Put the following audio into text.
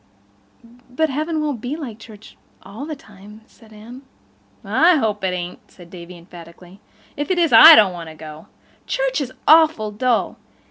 "But heaven won't be like church—all the time," said Anne. "I hope it ain't," said Davy emphatically. "If it is I don't want to go. Church is awful dull.